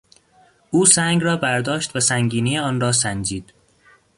او سنگ را برداشت و سنگینی آن را سنجید.